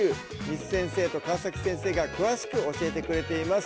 簾先生と川先生が詳しく教えてくれています